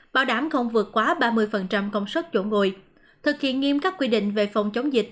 bảo đảm không vượt quá ba mươi công suất chỗ ngồi thực hiện nghiêm các quy định về phòng chống dịch